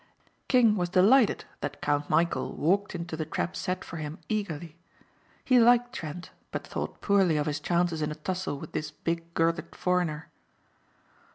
King was delighted that Count Michæl walked into the trap set for him eagerly. He liked Trent but thought poorly of his chances in a tussle with this big girthed foreigner.